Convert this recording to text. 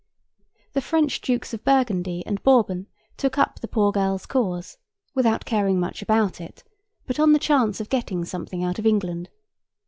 The French Dukes of Burgundy and Bourbon took up the poor girl's cause, without caring much about it, but on the chance of getting something out of England.